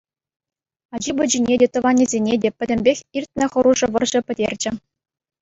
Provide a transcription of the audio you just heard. Ачи-пӑчине те, тӑванӗсене те — пӗтӗмпех иртнӗ хӑрушӑ вӑрҫӑ пӗтерчӗ.